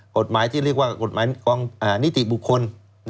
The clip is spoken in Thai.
กฎหมายที่เรียกว่ากฎหมายกองนิติบุคคล